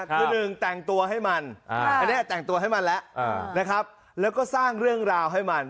คือหนึ่งแต่งตัวให้มันอันนี้แต่งตัวให้มันแล้วนะครับแล้วก็สร้างเรื่องราวให้มัน